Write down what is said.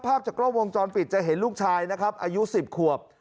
ภาพจากกล้องวงจรปิดจะเห็นลูกชายนะครับอายุ๑๐ขวบ